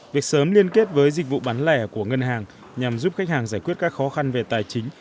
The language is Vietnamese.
việc sớm liên kết với dịch vụ bán lẻ của ngân hàng nhằm giúp khách hàng giải quyết các khó khăn về tài chính